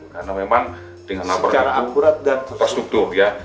karena memang dengan laporan itu terstruktur